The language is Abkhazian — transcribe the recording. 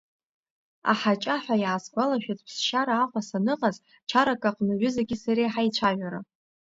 Аҳаҷаҳәа иаасгәалашәеит ԥсшьара Аҟәа саныҟаз чарак аҟны ҩызаки сареи ҳаицәажәара.